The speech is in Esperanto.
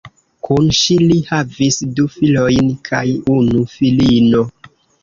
Kun ŝi li havis du filojn kaj unu filino.